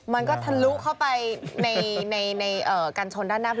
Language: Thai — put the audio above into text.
มันก็ทะลุเข้าไปในการชนด้านหน้า